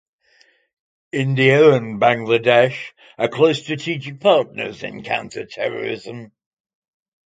India and Bangladesh are close strategic partners in counter-terrorism.